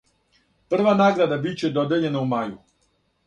Прва награда биће додељена у мају.